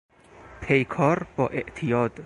پیکار با اعتیاد